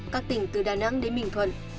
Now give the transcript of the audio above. các tỉnh từ đà nẵng đến bình thuận